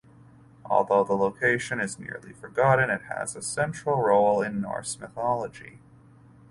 Although the location is nearly forgotten, it has a central role in Norse mythology.